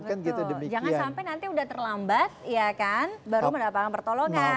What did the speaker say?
betul jangan sampai nanti udah terlambat ya kan baru mendapatkan pertolongan